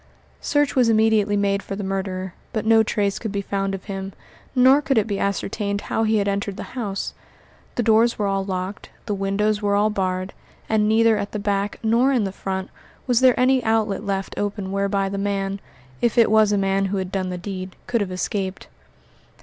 Search was immediately made for the murderer, but no trace could be found of him, nor could it be ascertained how he had entered the house. The doors were all locked, the windows were all barred, and neither at the back nor in the front was there any outlet left open whereby the man if it was a man who had done the deed could have escaped.